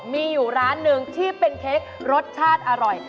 มีอยู่ร้านหนึ่งที่เป็นเค้กรสชาติอร่อย